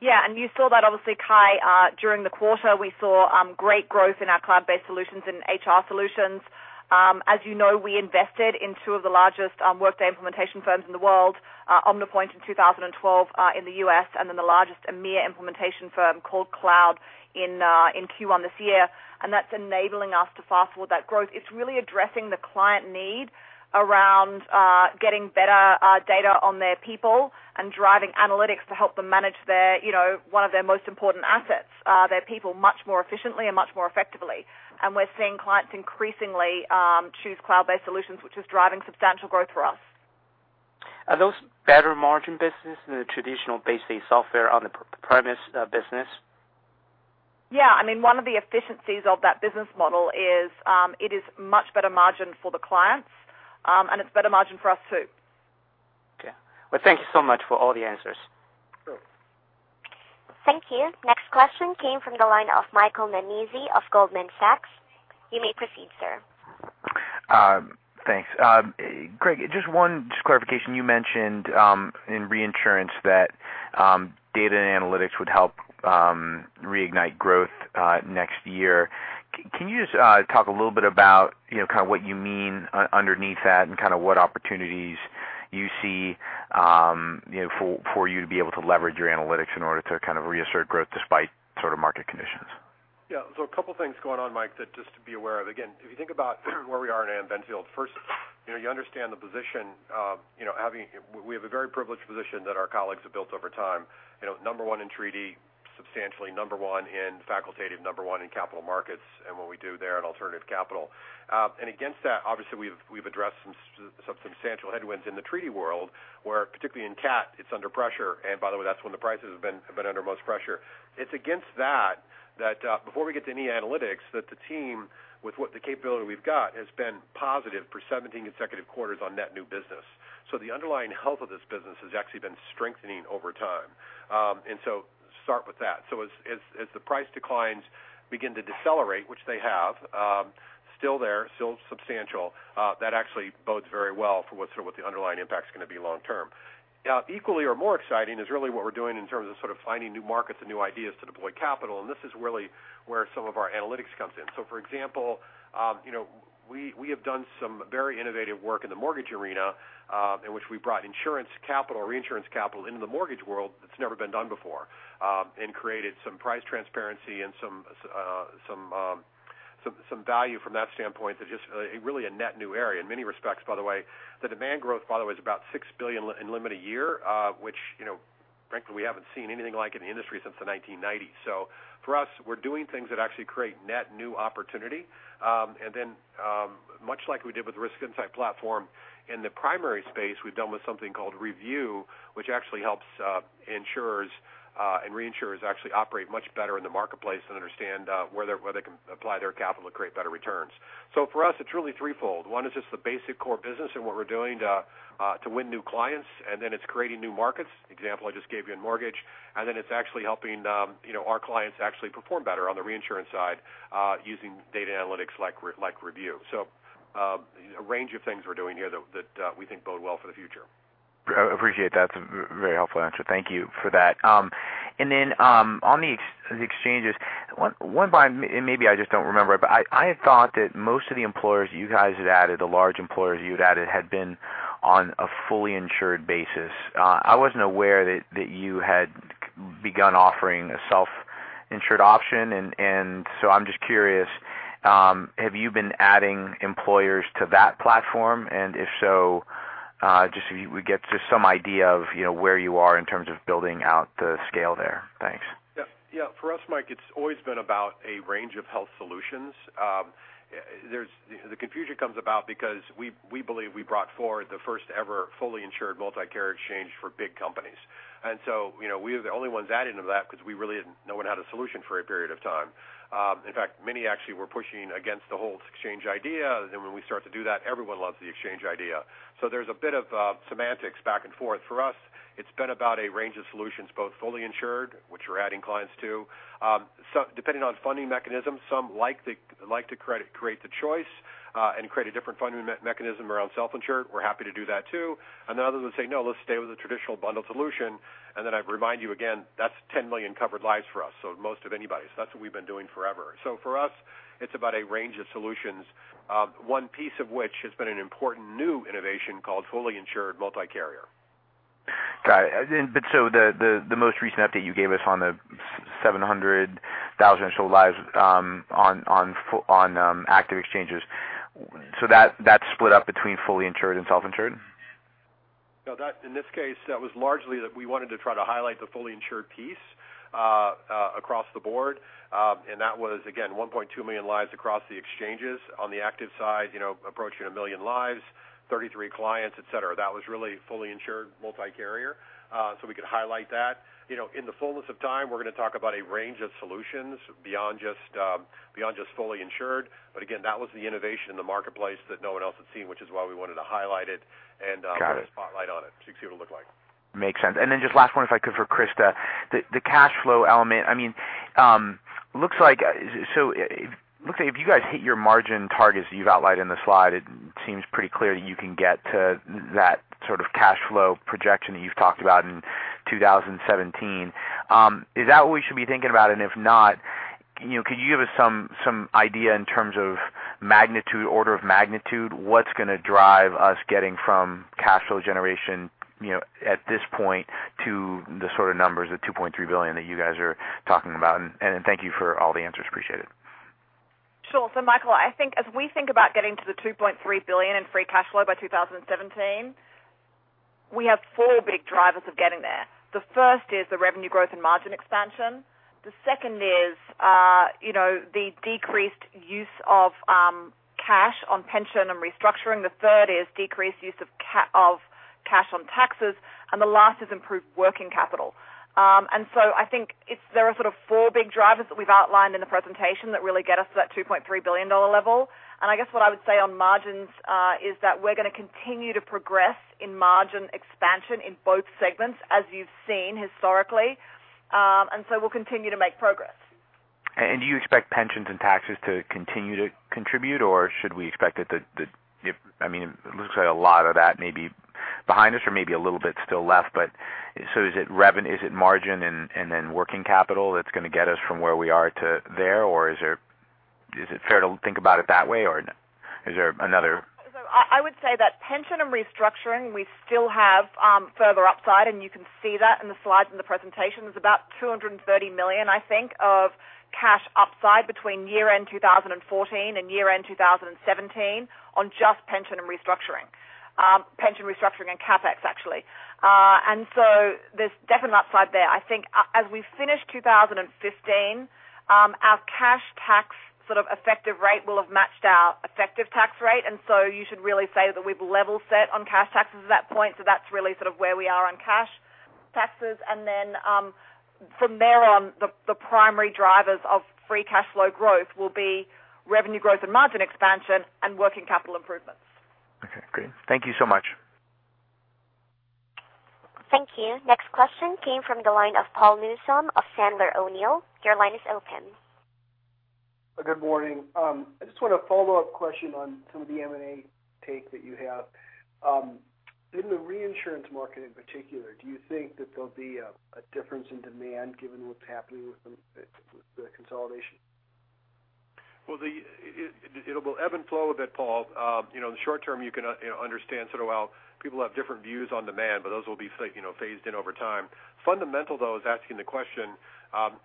Yeah. You saw that obviously, Kai, during the quarter, we saw great growth in our cloud-based solutions and HR Solutions. As you know, we invested in two of the largest Workday implementation firms in the world, Omnipoint in 2012 in the U.S., and then the largest EMEA implementation firm called Kloud in Q1 this year, and that's enabling us to fast-forward that growth. It's really addressing the client need around getting better data on their people and driving analytics to help them manage one of their most important assets, their people, much more efficiently and much more effectively. We're seeing clients increasingly choose cloud-based solutions, which is driving substantial growth for us. Are those better margin business than the traditional basically software on-premise business? Yeah. One of the efficiencies of that business model is it is much better margin for the clients, and it's better margin for us, too. Okay. Well, thank you so much for all the answers. Sure. Thank you. Next question came from the line of Michael Nannizzi of Goldman Sachs. You may proceed, sir. Thanks. Greg, just one clarification. You mentioned in reinsurance that data and analytics would help reignite growth next year. Can you just talk a little bit about what you mean underneath that and what opportunities you see for you to be able to leverage your analytics in order to reassert growth despite market conditions? Yeah. A couple of things going on, Mike, just to be aware of. Again, if you think about where we are in Aon Benfield, first, you understand the position. We have a very privileged position that our colleagues have built over time. Number 1 in treaty, substantially Number 1 in facultative, Number 1 in capital markets, and what we do there in alternative capital. Against that, obviously, we've addressed some substantial headwinds in the treaty world, where particularly in CAT, it's under pressure. By the way, that's when the prices have been under most pressure. It's against that before we get to any analytics, that the team with what the capability we've got, has been positive for 17 consecutive quarters on net new business. The underlying health of this business has actually been strengthening over time. Start with that. As the price declines begin to decelerate, which they have, still there, still substantial, that actually bodes very well for what the underlying impact's going to be long term. Now, equally or more exciting is really what we're doing in terms of finding new markets and new ideas to deploy capital, and this is really where some of our analytics comes in. For example, we have done some very innovative work in the mortgage arena, in which we brought insurance capital or reinsurance capital into the mortgage world that's never been done before, and created some price transparency and some value from that standpoint that's just really a net new area in many respects, by the way. The demand growth, by the way, is about $6 billion in limit a year, which frankly, we haven't seen anything like in the industry since the 1990s. For us, we're doing things that actually create net new opportunity. Much like we did with Risk Insight Platform in the primary space, we've done with something called ReView, which actually helps insurers and reinsurers actually operate much better in the marketplace and understand where they can apply their capital to create better returns. For us, it's really threefold. One is just the basic core business and what we're doing to win new clients, and then it's creating new markets. Example I just gave you in mortgage. It's actually helping our clients actually perform better on the reinsurance side using data analytics like ReView. A range of things we're doing here that we think bode well for the future. I appreciate that. That's a very helpful answer. Thank you for that. Then, on the exchanges, maybe I just don't remember it, but I had thought that most of the employers you guys had added, the large employers you had added, had been on a fully insured basis. I wasn't aware that you had begun offering a self-insured option. So I'm just curious, have you been adding employers to that platform? If so, just so we get just some idea of where you are in terms of building out the scale there. Thanks. Yeah. For us, Michael, it's always been about a range of health solutions. The confusion comes about because we believe we brought forward the first ever fully insured multi-carrier exchange for big companies. So, we were the only ones adding to that because no one had a solution for a period of time. In fact, many actually were pushing against the whole exchange idea. When we start to do that, everyone loves the exchange idea. There's a bit of semantics back and forth. For us, it's been about a range of solutions, both fully insured, which we're adding clients to. Depending on funding mechanisms, some like to create the choice, and create a different funding mechanism around self-insured. We're happy to do that, too. Others will say, "No, let's stay with the traditional bundled solution." Then I remind you again, that's 10 million covered lives for us, so most of anybody. That's what we've been doing forever. For us, it's about a range of solutions. One piece of which has been an important new innovation called fully insured multi-carrier. Got it. The most recent update you gave us on the 700,000 or so lives on active exchanges. That's split up between fully insured and self-insured? No. In this case, that was largely that we wanted to try to highlight the fully insured piece across the board. That was, again, 1.2 million lives across the exchanges on the active side, approaching 1 million lives, 33 clients, et cetera. That was really fully insured multi-carrier. We could highlight that. In the fullness of time, we're going to talk about a range of solutions beyond just fully insured. Again, that was the innovation in the marketplace that no one else had seen, which is why we wanted to highlight it. Got it Put a spotlight on it, so you can see what it looked like. Makes sense. Then just last one, if I could, for Christa. The cash flow element. If you guys hit your margin targets that you've outlined in the slide, it seems pretty clear that you can get to that sort of cash flow projection that you've talked about in 2017. Is that what we should be thinking about? If not, could you give us some idea in terms of order of magnitude, what's going to drive us getting from cash flow generation at this point to the sort of numbers, the $2.3 billion, that you guys are talking about? Thank you for all the answers. Appreciate it. Sure. Michael, I think as we think about getting to the $2.3 billion in free cash flow by 2017, we have four big drivers of getting there. The first is the revenue growth and margin expansion. The second is the decreased use of cash on pension and restructuring. The third is decreased use of cash on taxes, and the last is improved working capital. I think there are sort of four big drivers that we've outlined in the presentation that really get us to that $2.3 billion level. I guess what I would say on margins is that we're going to continue to progress in margin expansion in both segments, as you've seen historically. We'll continue to make progress. Do you expect pensions and taxes to continue to contribute, or should we expect that, it looks like a lot of that may be Behind us or maybe a little bit still left. Is it margin and then working capital that's going to get us from where we are to there? Or is it fair to think about it that way, or is there another? I would say that pension and restructuring, we still have further upside, and you can see that in the slides in the presentation. There's about $230 million, I think, of cash upside between year-end 2014 and year-end 2017 on just pension and restructuring. Pension restructuring and CapEx, actually. There's definitely upside there. I think as we finish 2015, our cash tax sort of effective rate will have matched our effective tax rate. You should really say that we've level set on cash taxes at that point. That's really sort of where we are on cash taxes. From there on, the primary drivers of free cash flow growth will be revenue growth and margin expansion and working capital improvements. Okay, great. Thank you so much. Thank you. Next question came from the line of Paul Newsome of Sandler O'Neill. Your line is open. Good morning. I just want a follow-up question on some of the M&A take that you have. In the reinsurance market in particular, do you think that there'll be a difference in demand given what's happening with the consolidation? Well, it'll ebb and flow a bit, Paul. The short term you can understand sort of how people have different views on demand, but those will be phased in over time. Fundamental, though, is asking the question,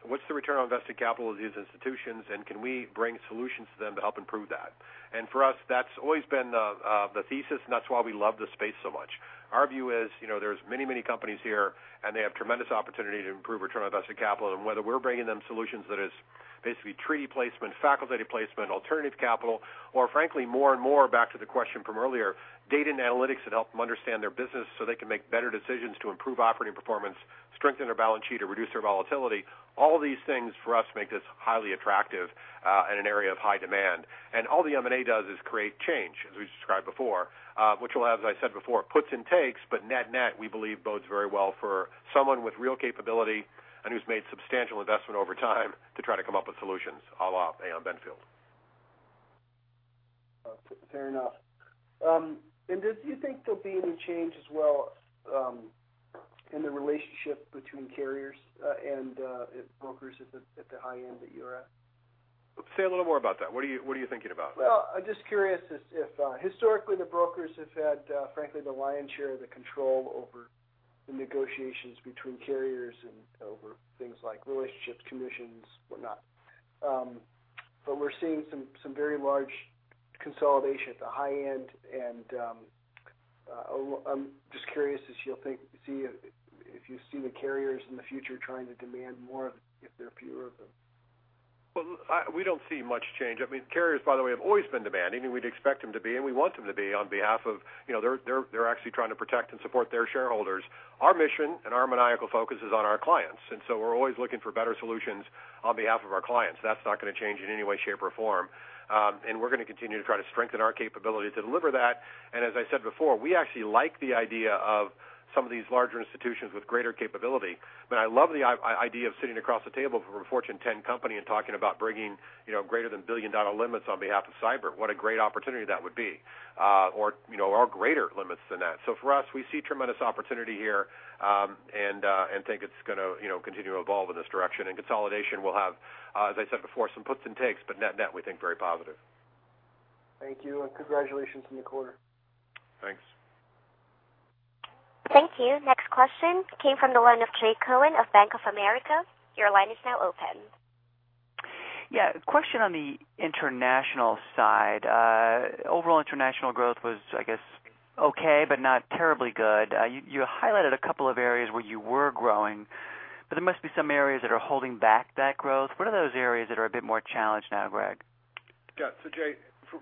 what's the return on invested capital of these institutions and can we bring solutions to them to help improve that? For us, that's always been the thesis, and that's why we love the space so much. Our view is there's many companies here, and they have tremendous opportunity to improve return on invested capital. Whether we're bringing them solutions that is basically treaty placement, facultative placement, alternative capital, or frankly, more and more back to the question from earlier, data and analytics that help them understand their business so they can make better decisions to improve operating performance, strengthen their balance sheet, or reduce their volatility. All these things for us make this highly attractive in an area of high demand. All the M&A does is create change, as we described before, which will have, as I said before, puts and takes, but net net we believe bodes very well for someone with real capability and who's made substantial investment over time to try to come up with solutions a la Aon Benfield. Fair enough. Do you think there'll be any change as well in the relationship between carriers and brokers at the high end that you're at? Say a little more about that. What are you thinking about? Well, I'm just curious if historically the brokers have had, frankly, the lion's share of the control over the negotiations between carriers and over things like relationships, commissions, whatnot. We're seeing some very large consolidation at the high end, I'm just curious if you see the carriers in the future trying to demand more if there are fewer of them. Well, we don't see much change. Carriers, by the way, have always been demanding, and we'd expect them to be, and we want them to be on behalf of. They're actually trying to protect and support their shareholders. Our mission and our maniacal focus is on our clients, we're always looking for better solutions on behalf of our clients. That's not going to change in any way, shape, or form. We're going to continue to try to strengthen our capability to deliver that. As I said before, we actually like the idea of some of these larger institutions with greater capability. I love the idea of sitting across the table from a Fortune 10 company and talking about bringing greater than billion-dollar limits on behalf of cyber. What a great opportunity that would be. Greater limits than that. For us, we see tremendous opportunity here, and think it's going to continue to evolve in this direction. Consolidation will have, as I said before, some puts and takes, but net net we think very positive. Thank you, congratulations on the quarter. Thanks. Thank you. Next question came from the line of Jay Cohen of Bank of America. Your line is now open. Question on the international side. Overall international growth was, I guess, okay, but not terribly good. You highlighted a couple of areas where you were growing, but there must be some areas that are holding back that growth. What are those areas that are a bit more challenged now, Greg? Jay,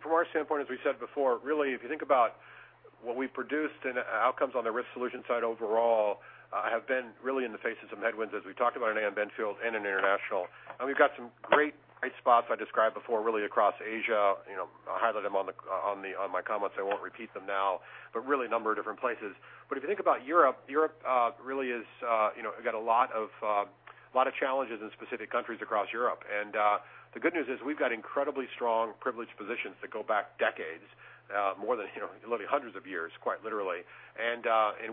from our standpoint, as we said before, really if you think about what we produced and outcomes on the Risk Solutions side overall have been really in the face of some headwinds as we talked about in Aon Benfield and in international. We've got some great spots I described before really across Asia. I highlighted them on my comments, I won't repeat them now, but really a number of different places. If you think about Europe really got a lot of challenges in specific countries across Europe. The good news is we've got incredibly strong privileged positions that go back decades, more than literally hundreds of years, quite literally.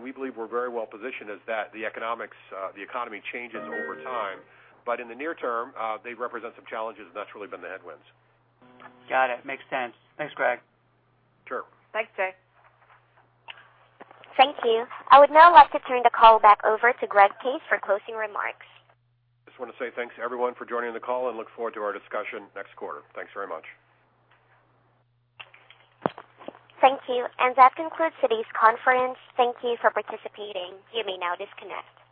We believe we're very well positioned as the economics, the economy changes over time. In the near term, they represent some challenges, and that's really been the headwinds. Got it. Makes sense. Thanks, Greg. Sure. Thanks, Jay. Thank you. I would now like to turn the call back over to Greg Case for closing remarks. Just want to say thanks to everyone for joining the call and look forward to our discussion next quarter. Thanks very much. Thank you. That concludes today's conference. Thank you for participating. You may now disconnect.